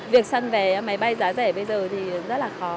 việc săn vé máy bay giá rẻ bây giờ thì rất là khó